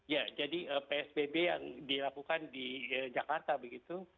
ya jadi psbb yang dilakukan di jakarta begitu